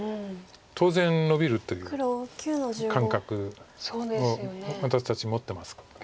当然ノビるという感覚を私たち持ってますけど。